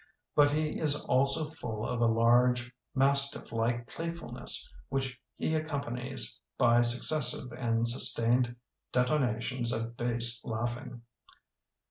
But he is also full of a large, mastifflike playfulness which he accompanies by successive and sus tained detonations of bass laughing.